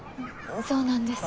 そうなんです。